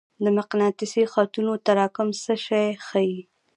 د مقناطیسي خطونو تراکم څه شی ښيي؟